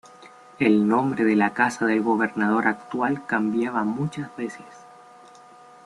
El nombre de la Casa del Gobernador actual cambiaba muchas veces.